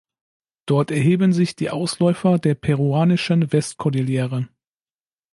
Dort erheben sich die Ausläufer der peruanischen Westkordillere.